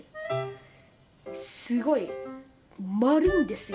すごい丸いんですよ